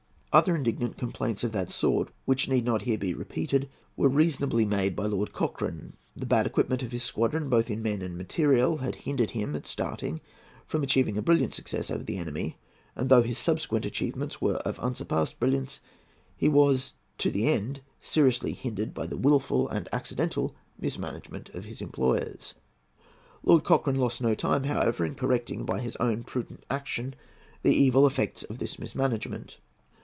Other indignant complaints of that sort, which need not here be repeated, were reasonably made by Lord Cochrane. The bad equipment of his squadron, both in men and in material, had hindered him, at starting, from achieving a brilliant success over the enemy, and though his subsequent achievements were of unsurpassed brilliance, he was to the end seriously hindered by the wilful and accidental mismanagement of his employers. Lord Cochrane lost no time, however, in correcting by his own prudent action the evil effects of this mismanagement.